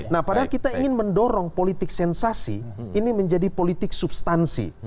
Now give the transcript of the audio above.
nah padahal kita ingin mendorong politik sensasi ini menjadi politik substansi